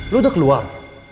lo udah keluar